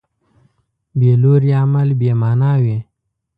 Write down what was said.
بېلوري عمل بېمانا وي.